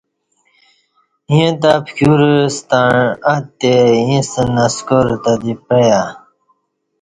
ییں تہ پکیورہ ستݩع اتے اِیݪستہ نسکار تہ دی پعیہ